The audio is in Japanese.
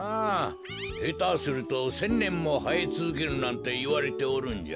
へたすると１，０００ねんもはえつづけるなんていわれておるんじゃ。